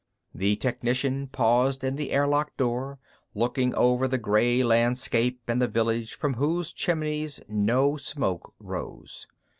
The technician paused in the air lock door, looking over the gray landscape and the village from whose chimneys no smoke rose.